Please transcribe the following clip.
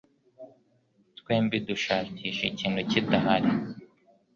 Twembi dushakisha ikintu kidahari.